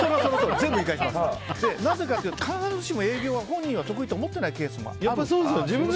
なぜかというと、必ずしも営業は本人は得意と思ってないケースもある。